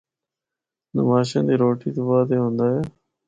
نماشاں دی روٹی تو بعد اے ہوندا اے۔